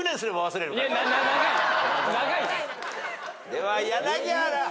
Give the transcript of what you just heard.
では柳原。